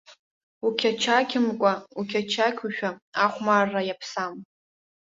Уқьачақьымкәа уқьачақьушәа ахәмарра иаԥсам.